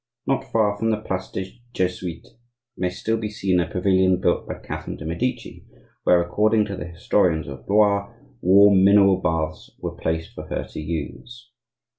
Not far from the place des Jesuites may still be seen a pavilion built by Catherine de' Medici, where, according to the historians of Blois, warm mineral baths were placed for her to use.